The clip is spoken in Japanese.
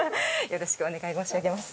よろしくお願いします。